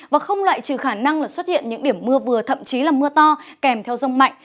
và không loại trừ khả năng xuất hiện những điểm mưa vừa thậm chí là mưa to kèm theo rông mạnh